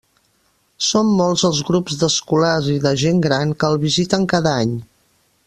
Són molts els grups d'escolars i de gent gran que el visiten cada any.